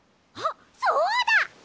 あっそうだ！